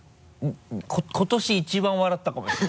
今年一番笑ったかもしれない。